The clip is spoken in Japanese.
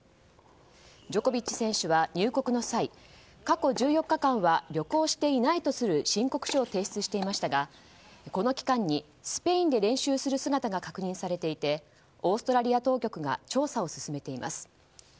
ジョコビッチ選手は入国の際過去１４日間は旅行していないとする申告書を提出していましたがこの期間にスペインで練習する姿が確認されていてオーストラリア当局が調査を進めています。